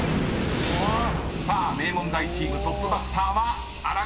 ［さあ名門大チームトップバッターは荒川静香］